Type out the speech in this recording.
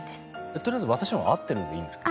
とりあえず私のは合ってるでいいんですか？